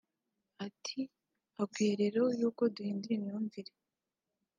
Ati “Hakwiye rero y’uko duhindura imyumvire